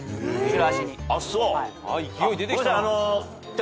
勢い出てきた。